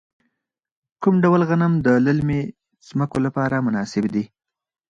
کوم ډول غنم د للمي ځمکو لپاره مناسب دي؟